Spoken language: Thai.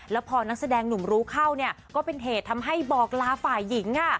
แล้วพอนักแสดงหนุ่มรู้เข้าเนี่ยก็เป็นเหตุทำให้บอกลาฝ่ายหญิง